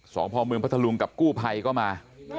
สพเมืองพัทธลุงกับกู้ภัยก็มา